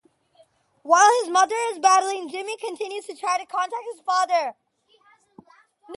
While his mother is battling, Jimmy continues to try to contact his father.